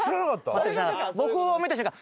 僕を見た瞬間